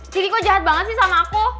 cid kok jahat banget sih sama aku